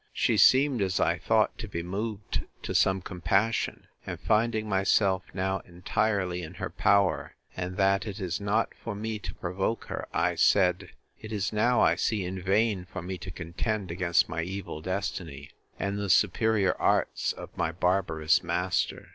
She seemed, as I thought, to be moved to some compassion; and finding myself now entirely in her power, and that it is not for me to provoke her, I said, It is now, I see, in vain for me to contend against my evil destiny, and the superior arts of my barbarous master.